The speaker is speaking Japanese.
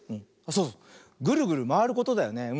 そうそうグルグルまわることだよね。